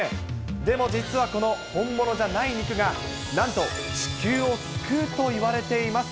でも実はこの本物じゃない肉が、なんと地球を救うといわれています。